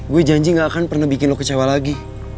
gue janji gak akan pernah bikin lo kecewa lagi